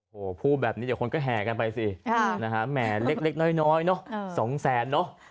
โหผู้แบบนี้เดี๋ยวคนก็แห่กันไปสิแหม่เล็กน้อยเนาะ๒๐๐๐๐๐เนาะ